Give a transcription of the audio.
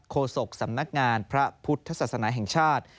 โศกสำนักงานพระพุทธศาสนาแห่งชาติ